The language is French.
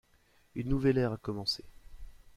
Une nouvelle ère a commencé.